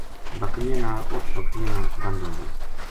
بکریاں نال اُت بکریاں ما بند ہو گیا